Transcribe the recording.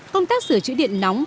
công tác sửa chữa điện nóng